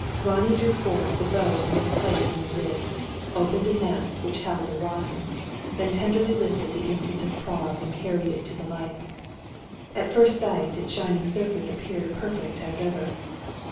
Ronnie drew forth the bow from its place in the lid, opened a little nest which held the rosin, then tenderly lifted the Infant of Prague and carried it to the light. At first sight, its shining surface appeared perfect as ever.